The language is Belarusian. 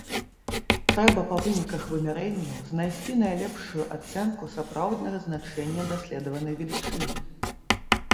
Трэба па выніках вымярэнняў знайсці найлепшую ацэнку сапраўднага значэння даследаванай велічыні.